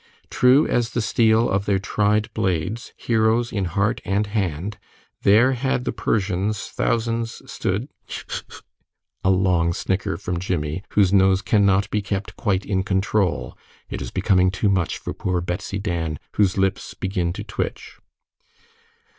"True as the steel of their tried blades, Heroes in heart and hand. There had the Persians thousands stood " ("Tchik! tchik! tchik,") a long snicker from Jimmie, whose nose cannot be kept quite in control. It is becoming too much for poor Betsy Dan, whose lips begin to twitch.